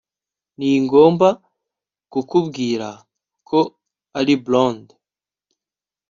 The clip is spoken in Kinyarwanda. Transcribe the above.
Ningomba kukubwira ko ari blonde